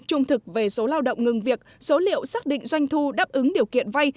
trung thực về số lao động ngừng việc số liệu xác định doanh thu đáp ứng điều kiện vay